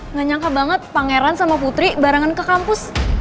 nganyangka banget pangeran sama putri barengan ke kampus